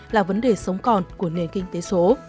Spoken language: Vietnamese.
là vấn đề sống còn của nền kinh tế số